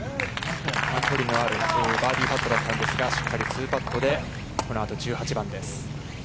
距離のあるバーディーパットだったんですが、しっかり２パットでこの１８番です。